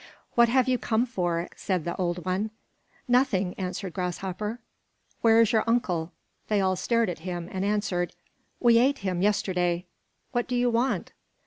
"What have you come for?" said the old one. "Nothing," answered Grasshopper. "Where is your uncle?" They all stared at him and answered: "We ate him, yesterday. What do you want?"